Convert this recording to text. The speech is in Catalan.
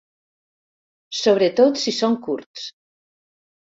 Sobretot si són curts.